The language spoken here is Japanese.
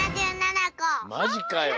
マジかよ！